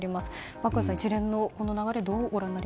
パックンさん、この一連の流れ